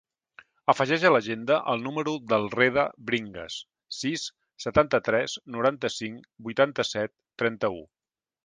Afegeix a l'agenda el número del Reda Bringas: sis, setanta-tres, noranta-cinc, vuitanta-set, trenta-u.